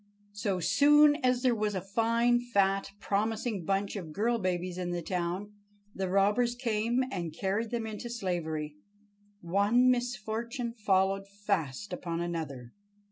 So soon as there was a fine, fat, promising bunch of girl babies in the town, the robbers came and carried them into slavery. One misfortune followed fast upon another.